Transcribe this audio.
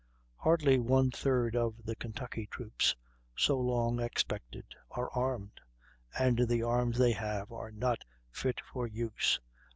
"Hardly one third of the Kentucky troops, so long expected, are armed, and the arms they have are not fit for use."